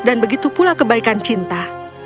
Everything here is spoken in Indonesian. dan begitu pula kebaikan cinta